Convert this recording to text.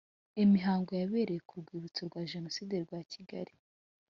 Imihango yabereye ku Rwibutso rwa Jenoside rwa Kigali